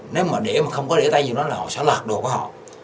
nếu mà để mà không có để tên gì đó là họ sẽ lật đồ của họ